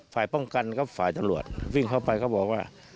ฝ่ายป้องกันก็ฝ่ายตำรวจวิ่งเข้าไปเขาบอกว่า